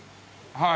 はい。